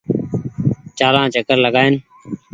چآلآن چڪر لگآن ۔